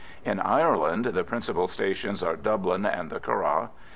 In Ireland the principal stations are Dublin and the Curragh.